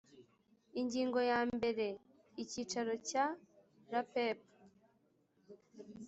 ingingo ya mbere icyicaro cya rapep